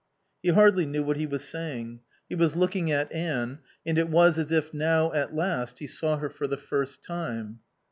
He hardly knew what he was saying. He was looking at Anne, and it was as if now, at last, he saw her for the first time.